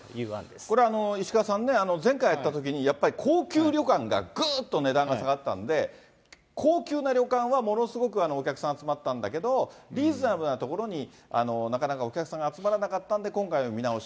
これ石川さんね、前回やったときに、やっぱり高級旅館がぐっと値段が下がったんで、高級な旅館はものすごくお客さん集まったんだけど、リーズナブルなところになかなかお客さんが集まらなかったんで、今回の見直し。